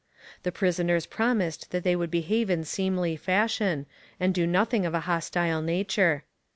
The prisoners promised that they would behave in seemly fashion, and do nothing of a hostile nature.